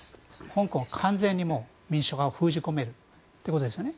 香港を完全に民主派を封じ込めるということですよね。